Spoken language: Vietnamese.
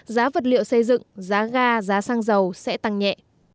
giá vật liệu xây dựng giá ga giá xăng dầu sẽ tăng nhẹ